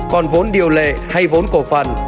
còn vốn điều lệ hay vốn cổ phần